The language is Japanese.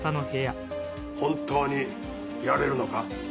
本当にやれるのか。